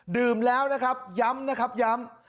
ดื่มแล้วนะครับย้ำนะครับย้ำ